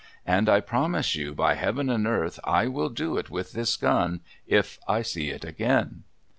And I promise you, by Heaven and earth, I will do it with this gun if I see it again